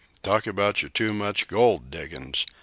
"Talk about yer Too Much Gold diggin's!"